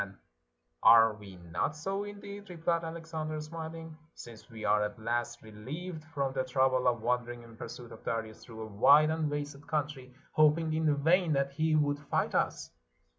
''And are we not so, indeed," rephed Alexander, smiling, "since we are at last relieved from the trouble of wandering in pursuit of Darius through a ■^ide and wasted countr} , hoping in vain that he would fight us?